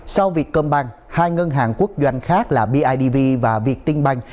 sau việc cơm băng hai ngân hàng quốc doanh khác là bidv và việt tinh băng